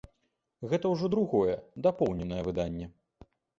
Гэта ўжо другое, дапоўненае выданне.